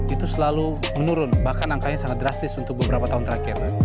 itu selalu menurun bahkan angkanya sangat drastis untuk beberapa tahun terakhir